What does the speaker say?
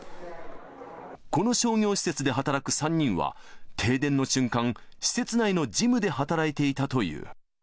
この商業施設で働く３人は、停電の瞬間、施設内のジムで働いていたという。